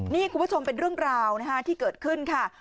นี่คุณผู้ชมเป็นเรื่องราวที่เกิดขึ้นค่ะ